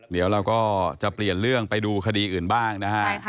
เดี๋ยวเราก็จะเปลี่ยนเรื่องไปดูคดีอื่นบ้างนะฮะ